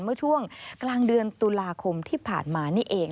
เมื่อช่วงกลางเดือนตุลาคมที่ผ่านมานี่เอง